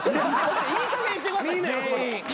いいかげんにしてください全員。